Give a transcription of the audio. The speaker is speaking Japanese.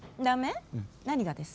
何がです？